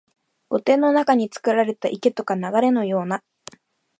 御殿の中につくられた池とか流れのような、